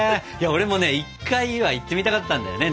俺もね１回は行ってみたかったんだよね。